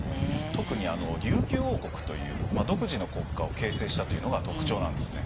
特に琉球王国という独自の国家を形成したというのが特徴なんですね。